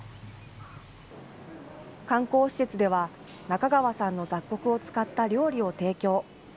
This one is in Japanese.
観光施設では、中川さんの雑穀を使った料理を提供。